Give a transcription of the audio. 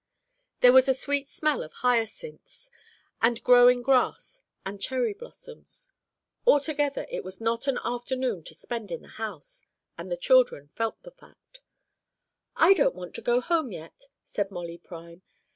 There was a sweet smell of hyacinths and growing grass and cherry blossoms; altogether it was not an afternoon to spend in the house, and the children felt the fact. "I don't want to go home yet," said Molly Prime.